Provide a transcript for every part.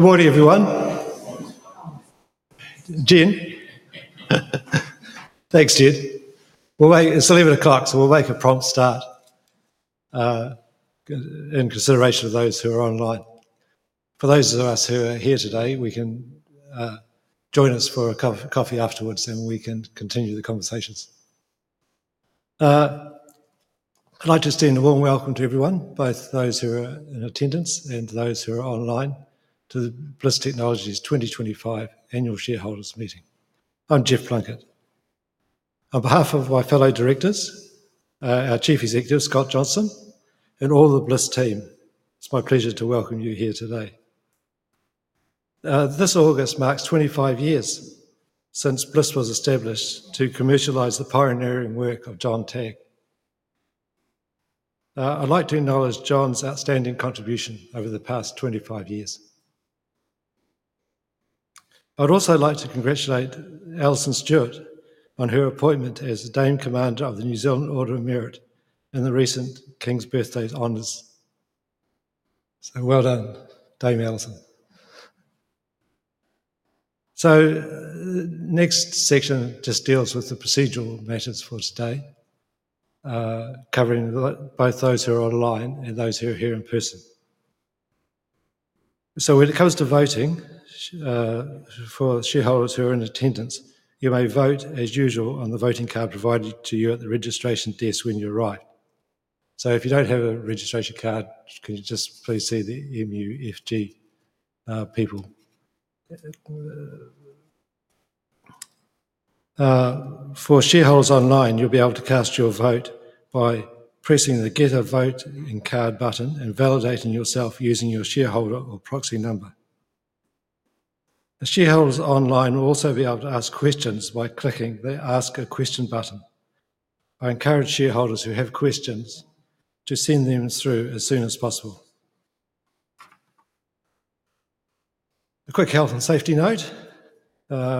Good morning, everyone. Thanks, Din. It's 11:00 A.M., so we'll make a prompt start in consideration of those who are online. For those of us who are here today, you can join us for a coffee afterwards and we can continue the conversations. I'd like to extend a warm welcome to everyone, both those who are in attendance and those who are online, to the BLIS Technologies 2025 Annual Shareholders Meeting. I'm Geoff Plunket. On behalf of my fellow directors, our [Chief Executive Officer], Scott Johnson, and all the BLIS team, it's my pleasure to welcome you here today. This August marks 25 years since BLIS was established to commercialize the pioneering work of John Tagg. I'd like to acknowledge John's outstanding contribution over the past 25 years. I'd also like to congratulate Alison Stewart on her appointment as the Dame Commander of the New Zealand Order of Merit in the recent King's Birthday Honors. Well done, Dame Alison. The next section just deals with the procedural matters for today, covering both those who are online and those who are here in person. When it comes to voting, for shareholders who are in attendance, you may vote as usual on the voting card provided to you at the registration desk when you arrive. If you don't have a registration card, please see the MUFG people. For shareholders online, you'll be able to cast your vote by pressing the 'Get a Vote in Card' button and validating yourself using your shareholder or proxy number. Shareholders online will also be able to ask questions by clicking the 'Ask a Question' button. I encourage shareholders who have questions to send them through as soon as possible. A quick health and safety note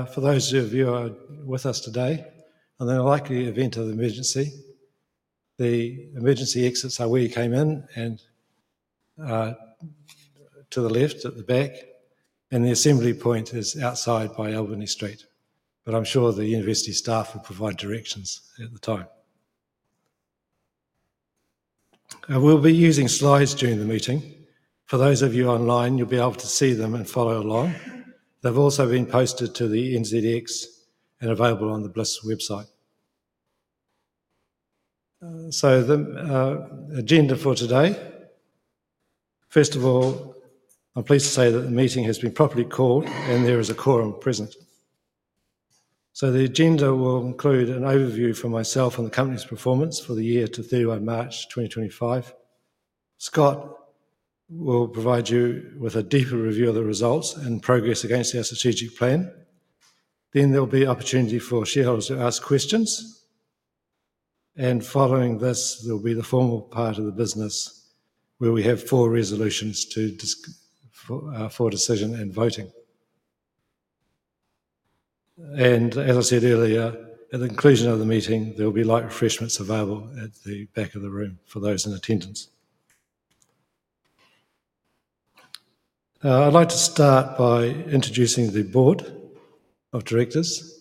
for those who are with us today. In the likely event of emergency, the emergency exits are where you came in and to the left at the back, and the assembly point is outside by Albany Street. I'm sure the university staff will provide directions at the time. We'll be using slides during the meeting. For those of you online, you'll be able to see them and follow along. They've also been posted to the NZX and are available on the BLIS website. The agenda for today: first of all, I'm pleased to say that the meeting has been properly called and there is a quorum present. The agenda will include an overview from myself and the company's performance for the year to 31 March 2025. Scott will provide you with a deeper review of the results and progress against our strategic plan. There'll be an opportunity for shareholders to ask questions. Following this, there'll be the formal part of the business where we have four resolutions for decision and voting. As I said earlier, at the conclusion of the meeting, there'll be light refreshments available at the back of the room for those in attendance. I'd like to start by introducing the Board of Directors.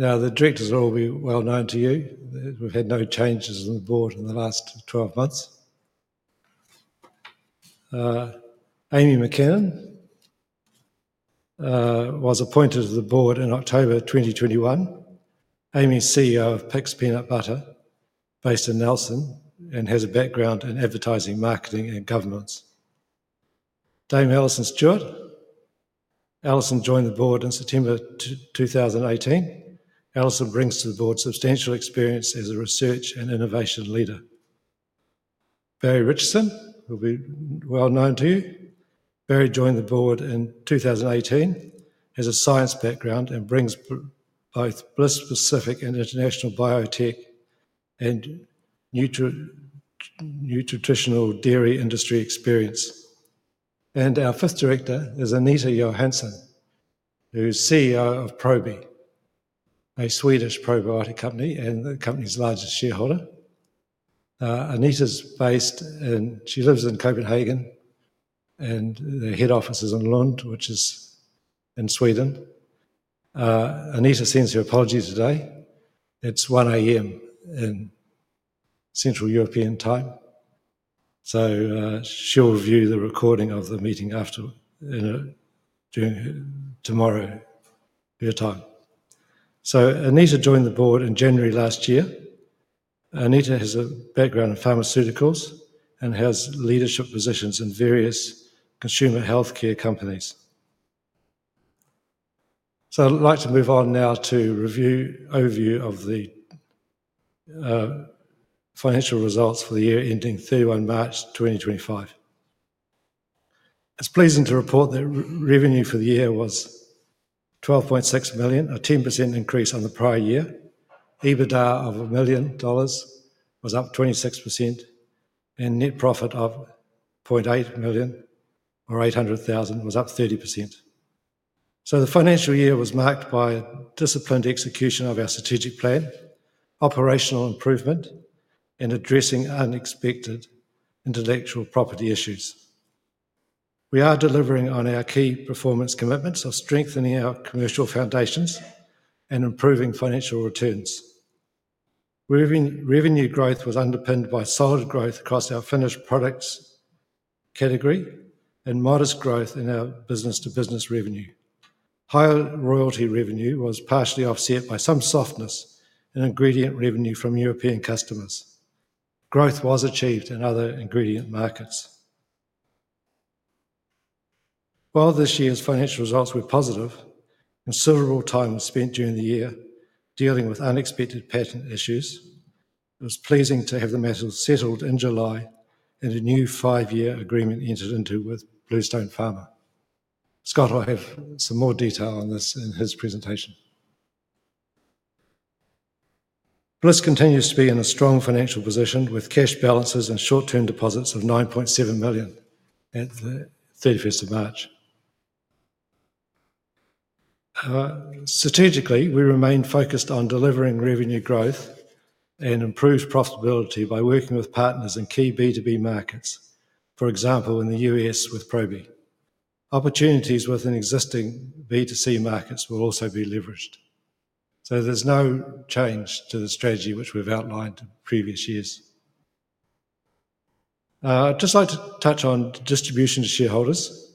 The directors will all be well known to you. We've had no changes in the board in the last 12 months. Aimee McCammon was appointed to the board in October 2021. Aimee is CEO of Pic's Peanut Butter, based in Nelson, and has a background in advertising, marketing, and governance. Dame Alison Stewart joined the board in September 2018. Alison brings to the board substantial experience as a research and innovation leader. Barry Richardson will be well known to you. Barry joined the board in 2018, has a science background, and brings both BLIS-specific and international biotech and nutritional dairy industry experience. Our fifth director is Anita Johansson, who is CEO of Probi, a Swedish probiotics company and the company's largest shareholder. Anita is based in Copenhagen, and the head office is in Lund, which is in Sweden. Anita sends her apologies today. It's 1:00 A.M. in Central European Time. She'll review the recording of the meeting during tomorrow, her time. Anita joined the board in January last year. Anita has a background in pharmaceuticals and has leadership positions in various consumer healthcare companies. I'd like to move on now to an overview of the financial results for the year ending 31 March 2025. It's pleasant to report that revenue for the year was 12.6 million, a 10% increase on the prior year. EBITDA of 1 million dollars was up 26%, and net profit of 0.8 million, or 800,000, was up 30%. The financial year was marked by disciplined execution of our strategic plan, operational improvement, and addressing unexpected intellectual property issues. We are delivering on our key performance commitments of strengthening our commercial foundations and improving financial returns. Revenue growth was underpinned by solid growth across our finished product sales category and modest growth in our B2B revenue. Higher royalty revenue was partially offset by some softness in ingredient revenue from European customers. Growth was achieved in other ingredient markets. While this year's financial results were positive, considerable time was spent during the year dealing with unexpected patent issues. It was pleasing to have the matters settled in July and a new five-year agreement entered into with Bluestone Pharma. Scott will have some more detail on this in his presentation. BLIS continues to be in a strong financial position with cash balances and short-term deposits of 9.7 million at the 31st of March. Strategically, we remain focused on delivering revenue growth and improved profitability by working with partners in key B2B markets, for example, in the U.S. with Probi. Opportunities within existing B2C markets will also be leveraged. There is no change to the strategy which we've outlined in previous years. I'd just like to touch on distribution to shareholders.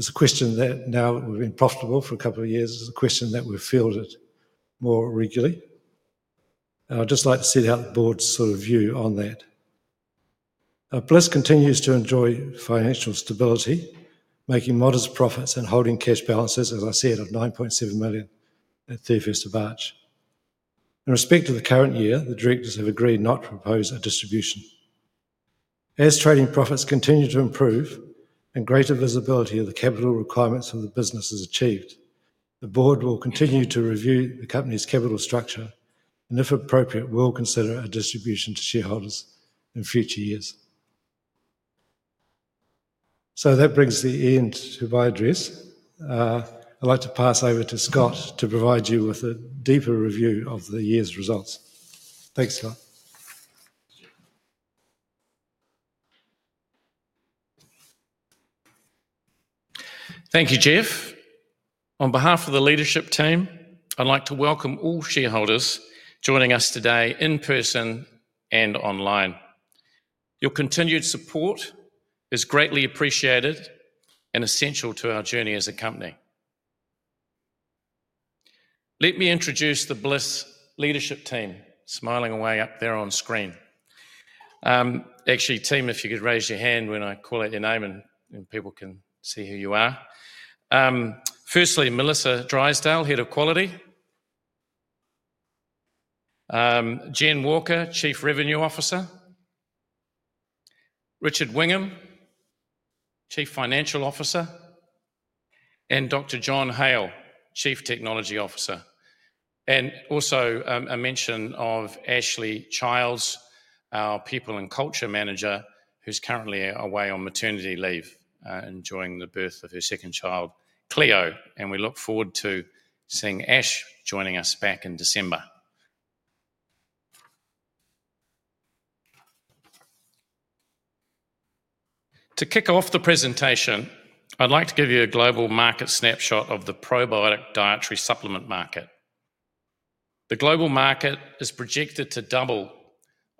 It's a question that now that we've been profitable for a couple of years, it's a question that we've fielded more regularly. I'd just like to set out the board's sort of view on that. BLIS continues to enjoy financial stability, making modest profits and holding cash balances, as I said, of 9.7 million at 31st of March. In respect to the current year, the directors have agreed not to propose a distribution. As trading profits continue to improve and greater visibility of the capital requirements of the business is achieved, the board will continue to review the company's capital structure and, if appropriate, will consider a distribution to shareholders in future years. That brings the end to my address. I'd like to pass over to Scott to provide you with a deeper review of the year's results. Thanks, Scott. Thank you, Geoff. On behalf of the leadership team, I'd like to welcome all shareholders joining us today in person and online. Your continued support is greatly appreciated and essential to our journey as a company. Let me introduce the BLIS leadership team, smiling away up there on screen. Actually, team, if you could raise your hand when I call out your name and people can see who you are. Firstly, Melissa Drysdale, Head of Quality. Jen Walker, Chief Revenue Officer. Richard Wingham, Chief Financial Officer. And Dr. John Hale, Chief Technology Officer. Also a mention of Ashleigh Childs, our People and Culture Manager, who's currently away on maternity leave, enjoying the birth of her second child, Cleo, and we look forward to seeing Ash joining us back in December. To kick off the presentation, I'd like to give you a global market snapshot of the probiotic dietary supplement market. The global market is projected to double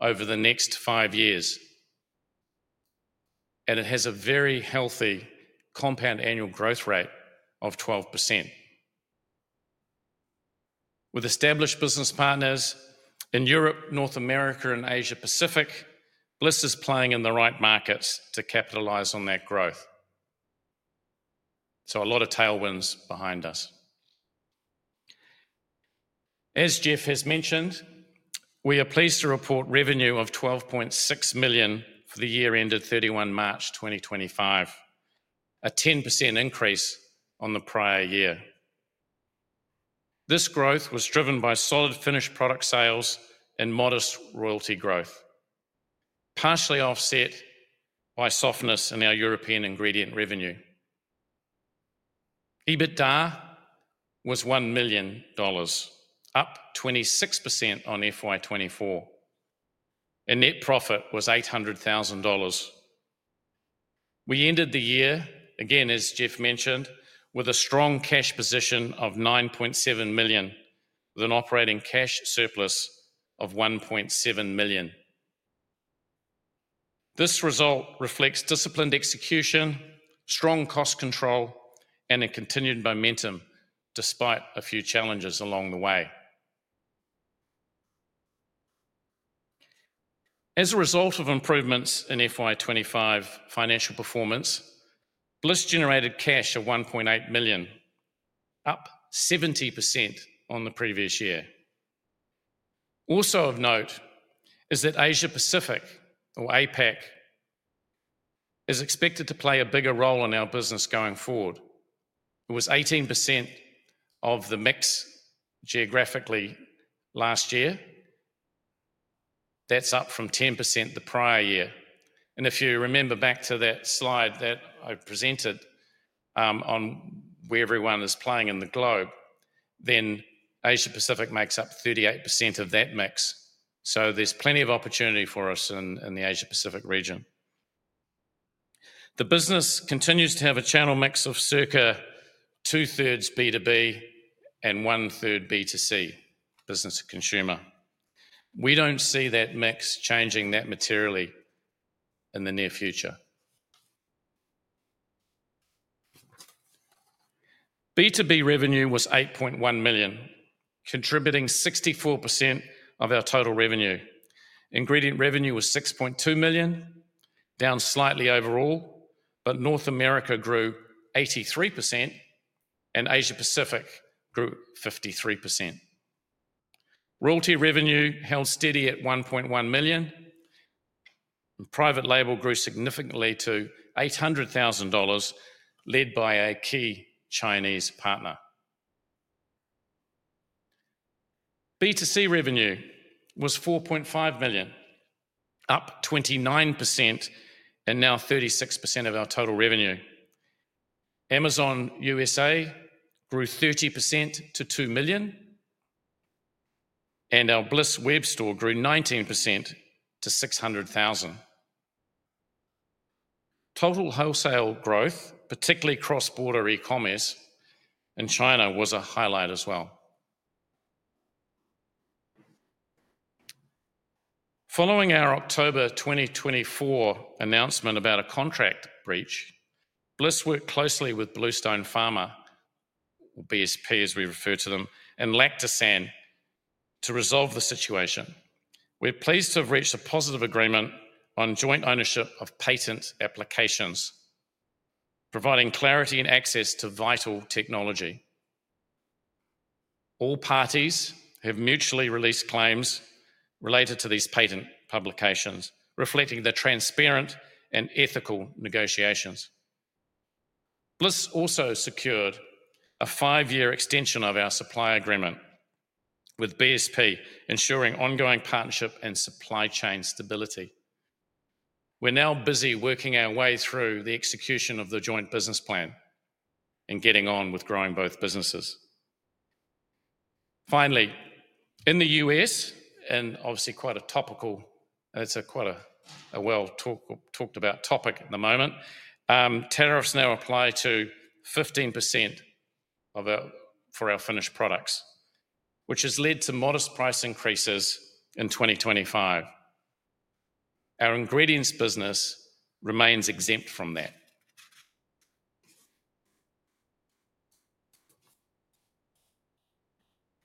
over the next five years, and it has a very healthy compound annual growth rate of 12%. With established business partners in Europe, North America, and Asia-Pacific, BLIS is playing in the right markets to capitalize on that growth. There are a lot of tailwinds behind us. As Geoff has mentioned, we are pleased to report revenue of 12.6 million for the year ended 31 March 2025, a 10% increase on the prior year. This growth was driven by solid finished product sales and modest royalty growth, partially offset by softness in our European ingredient revenue. EBITDA was 1 million dollars, up 26% on FY 2024, and net profit was 800,000 dollars. We ended the year, again, as Geoff mentioned, with a strong cash position of 9.7 million, with an operating cash surplus of 1.7 million. This result reflects disciplined execution, strong cost control, and continued momentum despite a few challenges along the way. As a result of improvements in FY 2025 financial performance, BLIS generated cash of 1.8 million, up 70% on the previous year. Also of note is that Asia-Pacific, or APAC, is expected to play a bigger role in our business going forward. It was 18% of the mix geographically last year. That's up from 10% the prior year. If you remember back to that slide that I presented, on where everyone is playing in the globe, then Asia-Pacific makes up 38% of that mix. There is plenty of opportunity for us in the Asia-Pacific region. The business continues to have a channel mix of circa 2/3 B2B and 1/3 B2C, business to consumer. We don't see that mix changing that materially in the near future. B2B revenue was 8.1 million, contributing 64% of our total revenue. Ingredient revenue was 6.2 million, down slightly overall, but North America grew 83% and Asia-Pacific grew 53%. Royalty revenue held steady at 1.1 million. Private label grew significantly to 800,000 dollars, led by a key Chinese partner. B2C revenue was 4.5 million, up 29% and now 36% of our total revenue. Amazon USA grew 30% to 2 million, and our BLIS web store grew 19% to 600,000. Total wholesale growth, particularly cross-border e-commerce in China, was a highlight as well. Following our October 2024 announcement about a contract breach, BLIS worked closely with Bluestone Pharma, or BSP as we refer to them, and Lactosan to resolve the situation. We're pleased to have reached a positive agreement on joint ownership of patent applications, providing clarity and access to vital technology. All parties have mutually released claims related to these patent publications, reflecting the transparent and ethical negotiations. BLIS also secured a five-year extension of our supply agreement, with BSP ensuring ongoing partnership and supply chain stability. We're now busy working our way through the execution of the joint business plan and getting on with growing both businesses. Finally, in the U.S., and obviously quite a topical, and it's quite a well-talked about topic at the moment, tariffs now apply to 15% for our finished products, which has led to modest price increases in 2025. Our ingredients business remains exempt from that.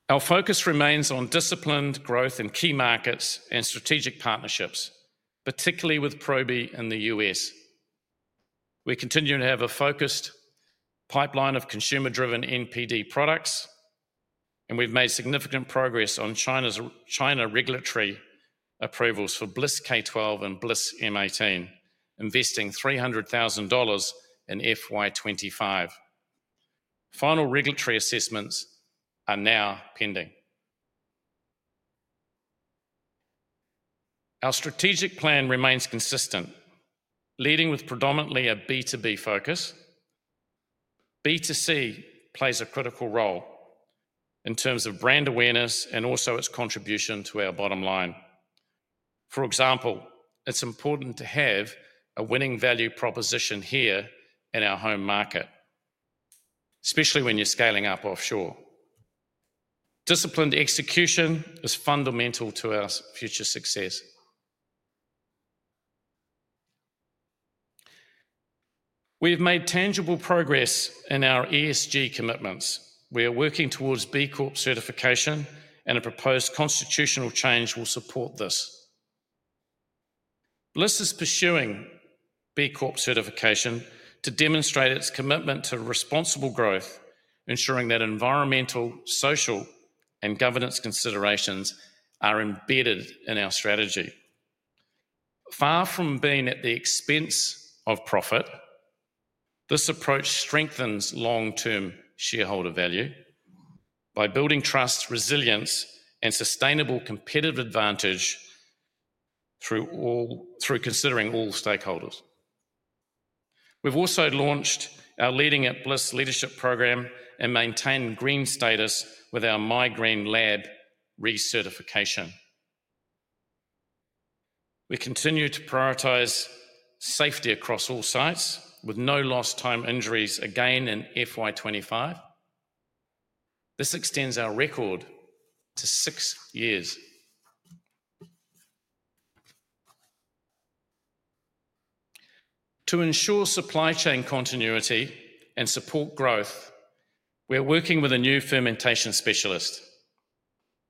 Our focus remains on disciplined growth in key markets and strategic partnerships, particularly with Probi [in] the U.S. We continue to have a focused pipeline of consumer-driven NPD products, and we've made significant progress on China's regulatory approvals for BLIS K12 and BLIS M18, investing NZD 300,000 in FY 2025. Final regulatory assessments are now pending. Our strategic plan remains consistent, leading with predominantly a B2B focus. B2C plays a critical role in terms of brand awareness and also its contribution to our bottom line. For example, it's important to have a winning value proposition here in our home market, especially when you're scaling up offshore. Disciplined execution is fundamental to our future success. We've made tangible progress in our ESG commitments. We are working towards B Corp certification, and a proposed constitutional change will support this. BLIS is pursuing B Corp certification to demonstrate its commitment to responsible growth, ensuring that environmental, social, and governance considerations are embedded in our strategy. Far from being at the expense of profit, this approach strengthens long-term shareholder value by building trust, resilience, and sustainable competitive advantage through considering all stakeholders. We've also launched our leading at BLIS Leadership Program and maintained green status with our My Green Lab recertification. We continue to prioritize safety across all sites, with no lost time injuries again in FY 2025. This extends our record to six years. To ensure supply chain continuity and support growth, we're working with a new fermentation specialist,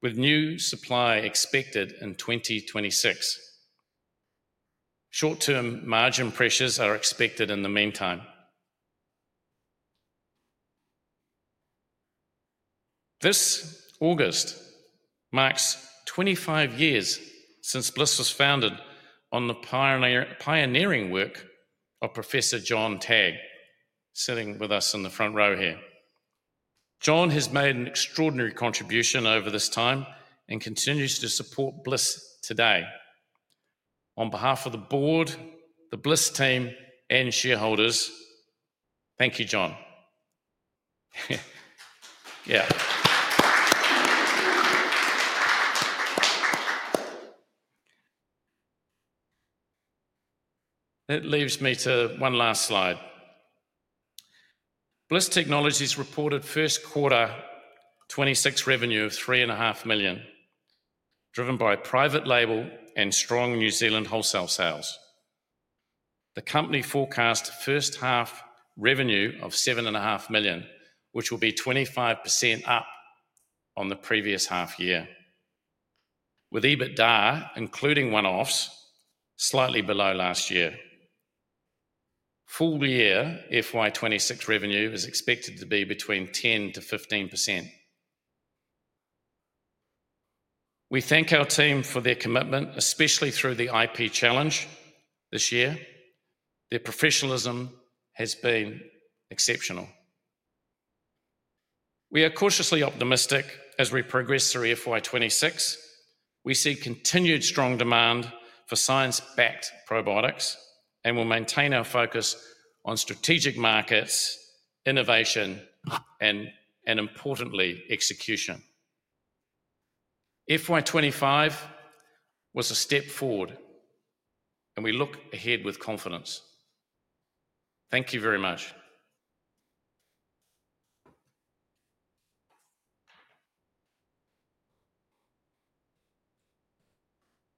with new supply expected in 2026. Short-term margin pressures are expected in the meantime. This August marks 25 years since BLIS was founded on the pioneering work of Professor John Tagg, sitting with us in the front row here. John has made an extraordinary contribution over this time and continues to support BLIS today. On behalf of the board, the BLIS team, and shareholders, thank you, John. It leaves me to one last slide. BLIS Technologies reported first quarter 2026 revenue of 3.5 million, driven by private label and strong New Zealand wholesale sales. The company forecast first half revenue of 7.5 million, which will be 25% up on the previous half year, with EBITDA including one-offs slightly below last year. Full year FY 2026 revenue is expected to be between 10%-15%. We thank our team for their commitment, especially through the IP challenge this year. Their professionalism has been exceptional. We are cautiously optimistic as we progress through FY 2026. We see continued strong demand for science-backed probiotics and will maintain our focus on strategic markets, innovation, and importantly execution. FY 2025 was a step forward, and we look ahead with confidence. Thank you very much.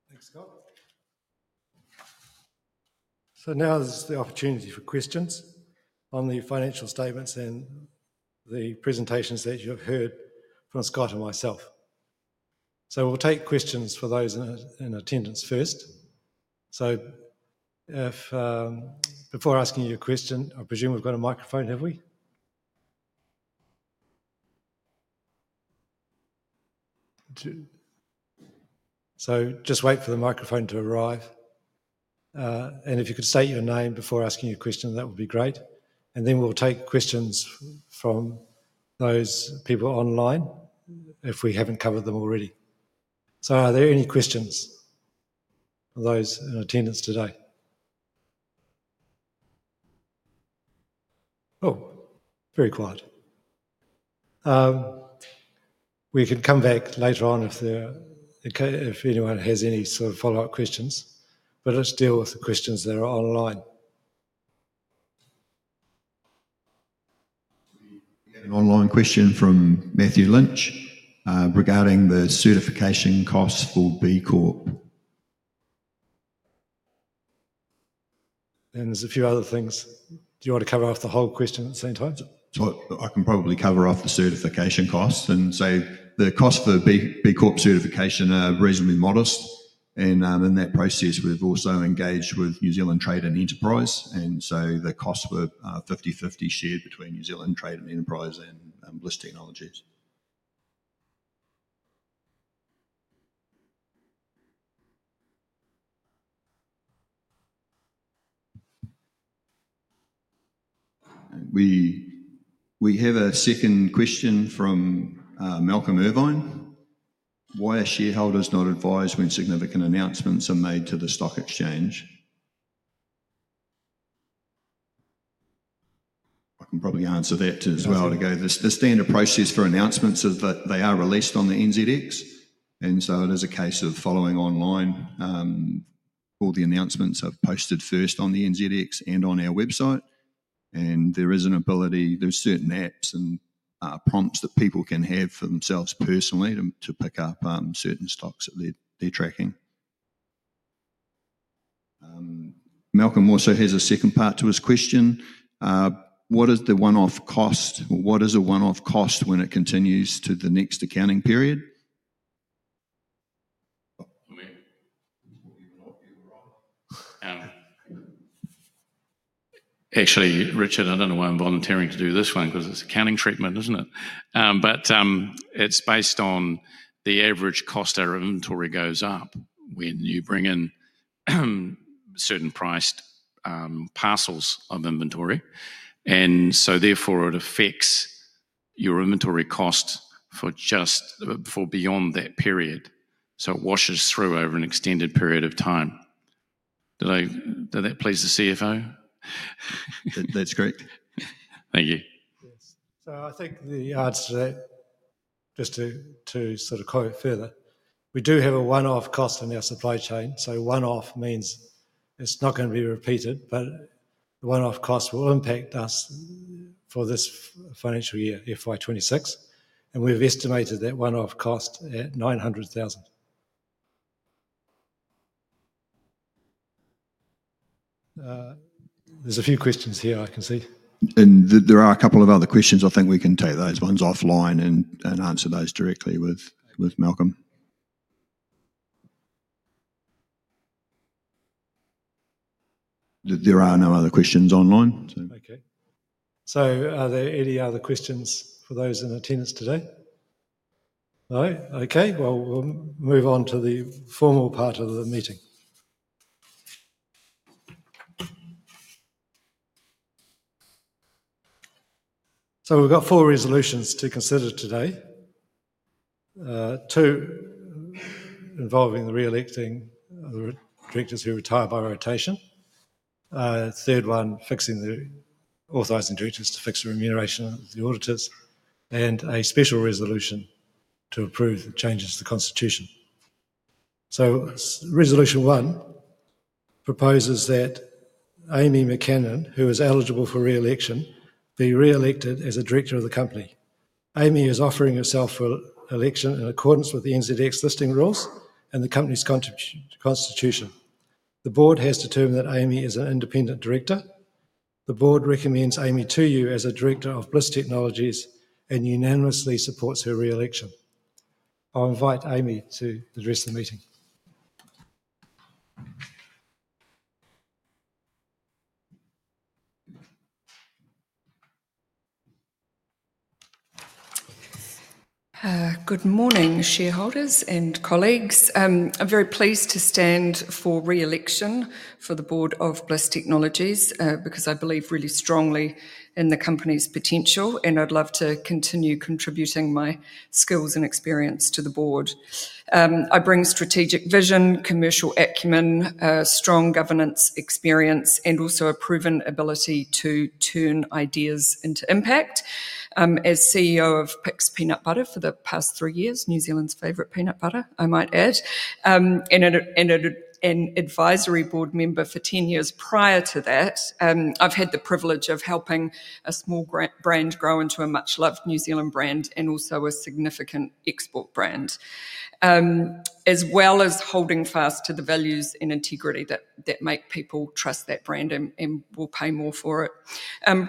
Thanks, Scott. Now is the opportunity for questions on the financial statements and the presentations that you've heard from Scott and myself. We'll take questions for those in attendance first. Before asking your question, I presume we've got a microphone, have we? Just wait for the microphone to arrive. If you could say your name before asking your question, that would be great. We'll take questions from those people online if we haven't covered them already. Are there any questions of those in attendance today? Oh, very quiet. We can come back later on if anyone has any sort of follow-up questions. Let's deal with the questions that are online. An online question from Matthew Lynch regarding the certification costs for [B Corp certification]. There are a few other things. Do you want to cover off the whole question at the same time? I can probably cover off the certification costs and say the costs for B Corp certification are reasonably modest. In that process, we've also engaged with New Zealand Trade and Enterprise. The costs were 50/50 shared between New Zealand Trade and Enterprise and BLIS Technologies. We have a second question from Malcolm Irvine. Why are shareholders not advised when significant announcements are made to the stock exchange? I can probably answer that as well. The standard process for announcements is that they are released on the NZX. It is a case of following online. All the announcements are posted first on the NZX and on our website. There is an ability, there's certain apps and prompts that people can have for themselves personally to pick up certain stocks that they're tracking. Malcolm also has a second part to his question. What is the one-off cost, or what is a one-off cost when it continues to the next accounting period? Actually, Richard, I don't know why I'm volunteering to do this one because it's accounting treatment, isn't it? It's based on the average cost our inventory goes up when you bring in certain priced parcels of inventory. Therefore it affects your inventory cost for just before beyond that period. It washes through over an extended period of time. Does that please the CFO? That's great. Thank you. I think the answer to that, just to sort of quote it further, we do have a one-off cost in our supply chain. One-off means it's not going to be repeated, but the one-off cost will impact us for this financial year, FY 2026. We've estimated that one-off cost at 900,000. There's a few questions here I can see. There are a couple of other questions. I think we can take those ones offline and answer those directly with Malcolm. There are no other questions online. Okay. Are there any other questions for those in attendance today? No? Okay. We'll move on to the formal part of the meeting. We've got four resolutions to consider today: two involving the reelecting of the directors who retire by rotation, the third one authorizing directors to fix the remuneration of the auditors, and a special resolution to approve the changes to the Constitution. Resolution I proposes that Aimee McCammon, who is eligible for reelection, be reelected as a director of the company. Aimee is offering herself for election in accordance with the NZX listing rules and the company's Constitution. The board has determined that Aimee is an independent director. The board recommends Aimee to you as a director of BLIS Technologies and unanimously supports her reelection. I'll invite Aimee to address the meeting. Good morning, shareholders and colleagues. I'm very pleased to stand for reelection for the board of BLIS Technologies because I believe really strongly in the company's potential, and I'd love to continue contributing my skills and experience to the board. I bring strategic vision, commercial acumen, strong governance experience, and also a proven ability to turn ideas into impact. As CEO of Pic's Peanut Butter for the past three years, New Zealand's favorite peanut butter, I might add, and an advisory board member for 10 years prior to that, I've had the privilege of helping a small brand grow into a much-loved New Zealand brand and also a significant export brand. As well as holding fast to the values and integrity that make people trust that brand and will pay more for it.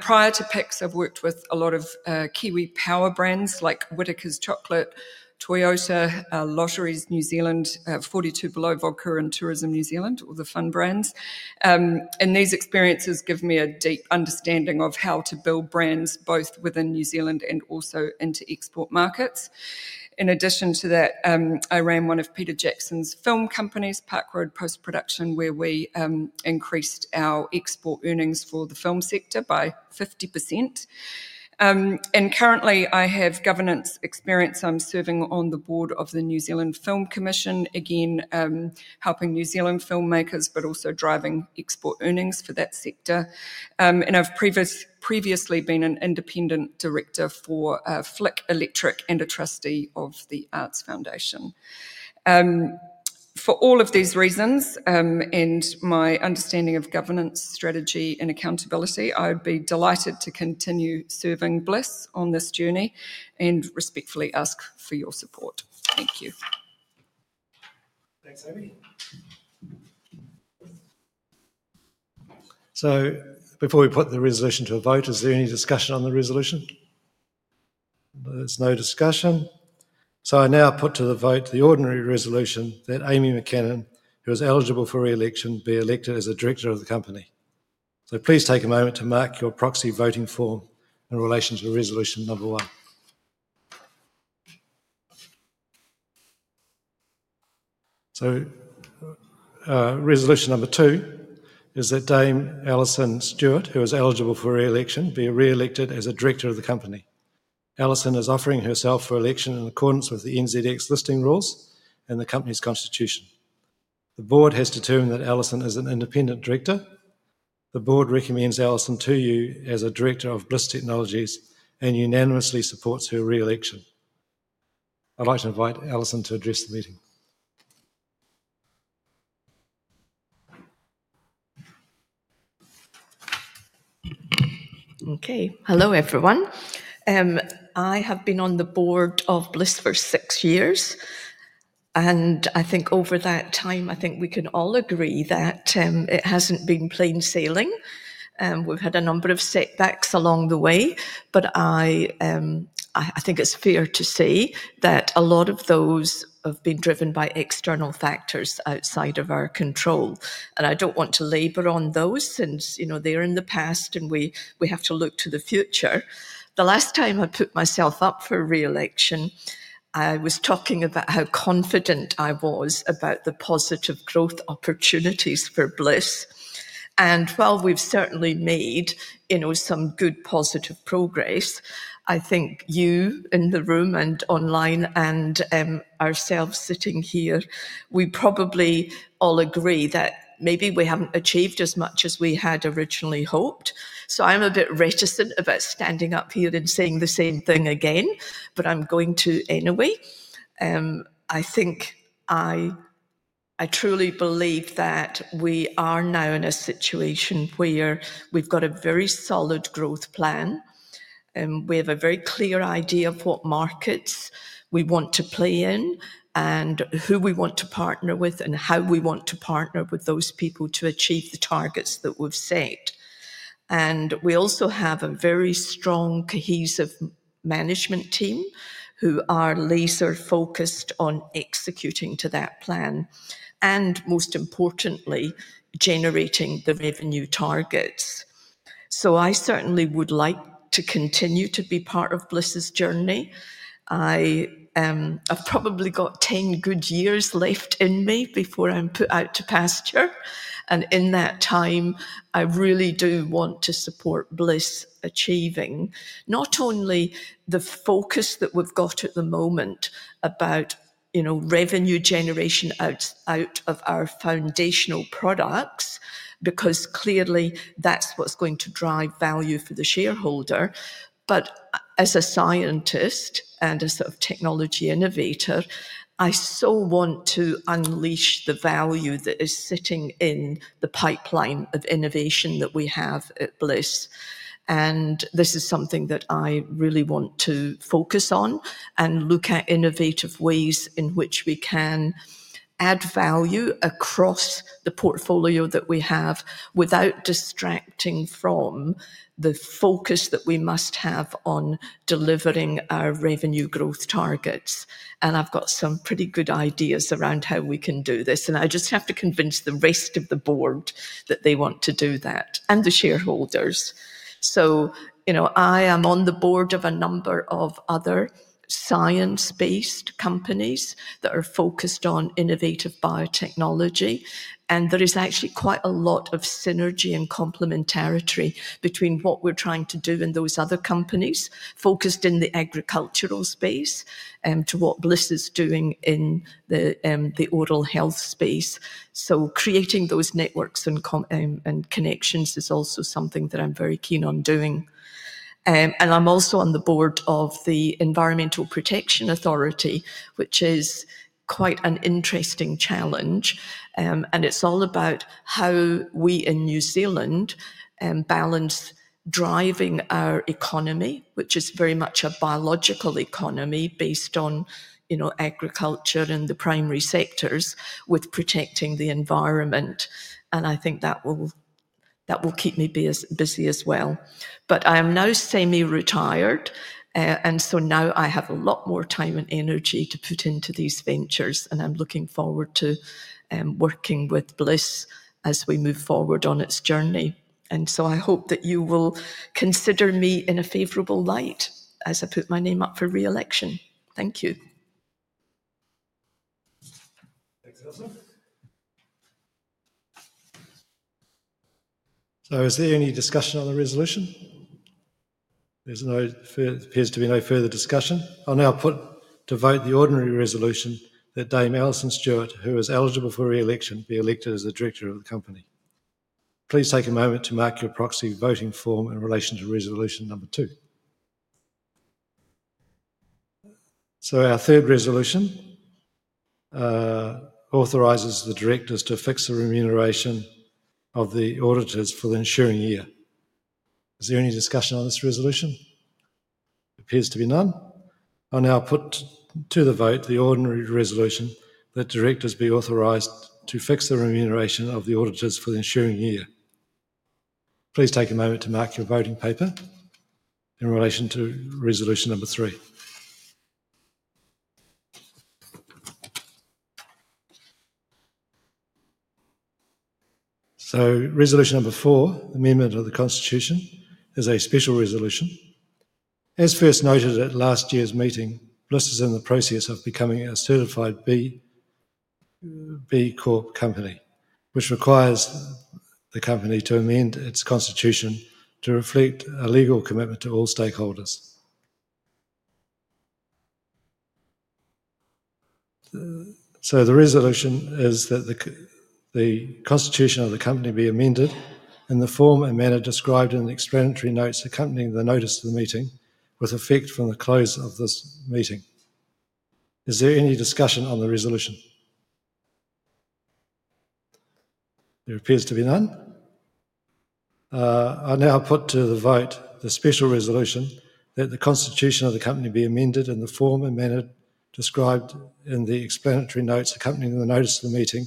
Prior to Pic's, I've worked with a lot of key lead power brands like Whittaker's Chocolate, Toyota, [Lotteries New Zealand], 42BELOW Vodka, and Tourism New Zealand, all the fun brands. These experiences give me a deep understanding of how to build brands both within New Zealand and also into export markets. In addition to that, I ran one of Peter Jackson's film companies, Park Road Post Production, where we increased our export earnings for the film sector by 50%. Currently, I have governance experience. I'm serving on the board of the New Zealand Film Commission, again helping New Zealand filmmakers, but also driving export earnings for that sector. I've previously been an independent director for Flick Electric and a trustee of the Arts Foundation. For all of these reasons and my understanding of governance, strategy, and accountability, I'd be delighted to continue serving BLIS on this journey and respectfully ask for your support. Thank you. Before we put the resolution to a vote, is there any discussion on the resolution? There's no discussion. I now put to the vote the ordinary resolution that Aimee McCammon, who is eligible for reelection, be elected as a director of the company. Please take a moment to mark your proxy voting form in relation to resolution number one. Resolution II is that Dame Alison Stewart, who is eligible for reelection, be reelected as a director of the company. Alison is offering herself for election in accordance with the NZX listing rules and the company's Constitution. The board has determined that Alison is an independent director. The board recommends Alison to you as a director of BLIS Technologies and unanimously supports her reelection. I'd like to invite Alison to address the meeting. Okay. Hello everyone. I have been on the board of BLIS for six years, and I think over that time, I think we can all agree that it hasn't been plain sailing. We've had a number of setbacks along the way, but I think it's fair to say that a lot of those have been driven by external factors outside of our control. I don't want to labour on those since, you know, they're in the past and we have to look to the future. The last time I put myself up for reelection, I was talking about how confident I was about the positive growth opportunities for BLIS. While we've certainly made, you know, some good positive progress, I think you in the room and online and ourselves sitting here, we probably all agree that maybe we haven't achieved as much as we had originally hoped. I'm a bit reticent about standing up here and saying the same thing again, but I'm going to anyway. I think I truly believe that we are now in a situation where we've got a very solid growth plan. We have a very clear idea of what markets we want to play in and who we want to partner with and how we want to partner with those people to achieve the targets that we've set. We also have a very strong cohesive management team who are laser-focused on executing to that plan and most importantly, generating the revenue targets. I certainly would like to continue to be part of BLIS's journey. I've probably got 10 good years left in me before I'm put out to pasture. In that time, I really do want to support BLIS achieving not only the focus that we've got at the moment about, you know, revenue generation out of our foundational products, because clearly that's what's going to drive value for the shareholder. As a scientist and a sort of technology innovator, I so want to unleash the value that is sitting in the pipeline of innovation that we have at BLIS. This is something that I really want to focus on and look at innovative ways in which we can add value across the portfolio that we have without distracting from the focus that we must have on delivering our revenue growth targets. I've got some pretty good ideas around how we can do this. I just have to convince the rest of the board that they want to do that and the shareholders. I am on the board of a number of other science-based companies that are focused on innovative biotechnology. There is actually quite a lot of synergy and complementarity between what we're trying to do in those other companies focused in the agricultural space and what BLIS is doing in the oral health space. Creating those networks and connections is also something that I'm very keen on doing. I'm also on the board of the Environmental Protection Authority, which is quite an interesting challenge. It's all about how we in New Zealand balance driving our economy, which is very much a biological economy based on agriculture and the primary sectors, with protecting the environment. I think that will keep me busy as well. I am now semi-retired, so now I have a lot more time and energy to put into these ventures. I'm looking forward to working with BLIS as we move forward on its journey. I hope that you will consider me in a favorable light as I put my name up for reelection. Thank you. Is there any discussion on the resolution? There appears to be no further discussion. I'll now put to vote the ordinary resolution that Dame Alison Stewart, who is eligible for reelection, be elected as a director of the company. Please take a moment to mark your proxy voting form in relation to resolution number two. Our third resolution authorizes the directors to fix the remuneration of the auditors for the ensuing year. Is there any discussion on this resolution? It appears to be none. I'll now put to the vote the ordinary resolution that directors be authorized to fix the remuneration of the auditors for the ensuing year. Please take a moment to mark your voting paper in relation to resolution III. Resolution IV, amendment of the Constitution, is a special resolution. As first noted at last year's meeting, BLIS is in the process of becoming a certified B Corp company, which requires the company to amend its Constitution to reflect a legal commitment to all stakeholders. The resolution is that the Constitution of the company be amended in the form and manner described in the explanatory notes accompanying the notice of the meeting with effect from the close of this meeting. Is there any discussion on the resolution? It appears to be none. I now put to the vote the special resolution that the Constitution of the company be amended in the form and manner described in the explanatory notes accompanying the notice of the meeting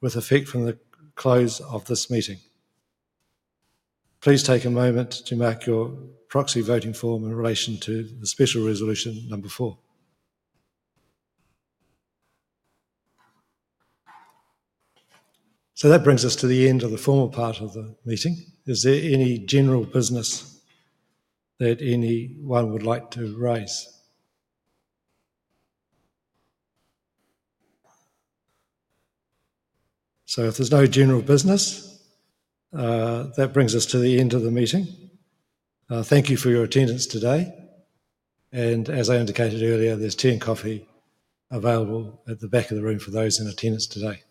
with effect from the close of this meeting. Please take a moment to mark your proxy voting form in relation to the special resolution IV. That brings us to the end of the formal part of the meeting. Is there any general business that anyone would like to raise? If there's no general business, that brings us to the end of the meeting. Thank you for your attendance today. As I indicated earlier, there's tea and coffee available at the back of the room for those in attendance today. Thank you.